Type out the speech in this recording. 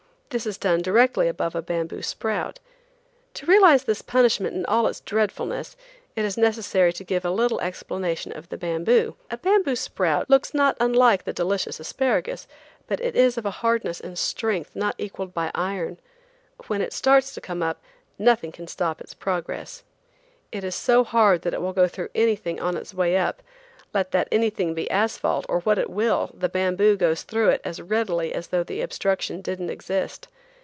This is done directly above a bamboo sprout. To realize this punishment in all its dreadfulness it is necessary to give a little explanation of the bamboo. A bamboo sprout looks not unlike the delicious asparagus, but is of a hardness and strength not equaled by iron. When it starts to come up, nothing can stop its progress. It is so hard that it will go through anything on its way up; let that anything be asphalt or what it will, the bamboo goes through it as readily as though the obstruction didn't exist.